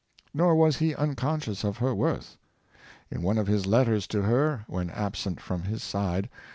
Nor was he un conscious of her worth In one of his letters to her, when absent from his side.